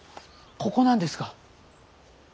ここなんですが。